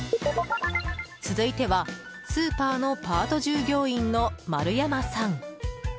続いてはスーパーのパート従業員の丸山さん。